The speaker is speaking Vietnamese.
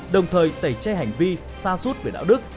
đồng thời tẩy che hành vi xa suốt về đạo đức